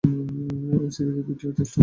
ঐ সিরিজে দুই টেস্টে অংশে নেন।